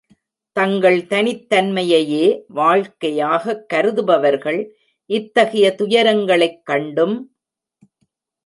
தங்கள் தனித்தன்மையையே வாழ்க்கையாகக் கருதுபவர்கள், இத்தகைய துயரங்களைக் கண்டும்.